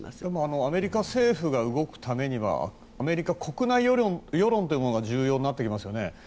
でも、アメリカ政府が動くためにはアメリカ国内世論が重要になってきますよね。